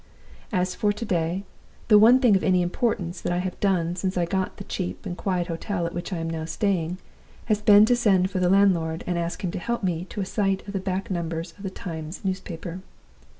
"As for to day, the one thing of any importance that I have done since I got to the cheap and quiet hotel at which I am now staying, has been to send for the landlord, and ask him to help me to a sight of the back numbers of The Times newspaper.